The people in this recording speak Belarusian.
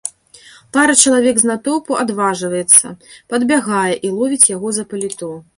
Пара чалавек з натоўпу адважваецца, падбягае і ловіць яго за паліто.